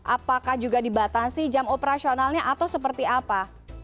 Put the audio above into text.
apakah juga dibatasi jam operasionalnya atau seperti apa